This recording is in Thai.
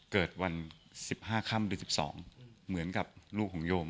เกิดวันสิบห้าค่ำหรือสิบสองเหมือนกับลูกของโยม